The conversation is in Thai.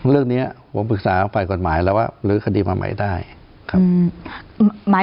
เรื่องนี้ผมปรึกษาฝ่าฝ่ายกรภัย